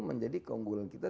menjadi keunggulan kita